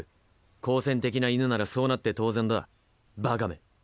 好戦的な犬ならそうなって当然だバカめ。